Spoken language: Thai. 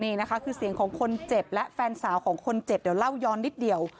นี่นะคะคือเสียงของคนเจ็บและแฟนสาวของคนเจ็บเดี๋ยวเล่าย้อนนิดเดียว